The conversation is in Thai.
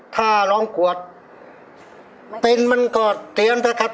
ถ้าร้องกวดเป็นมันก็เตรียมเถอะครับ